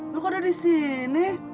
lo kok ada di sini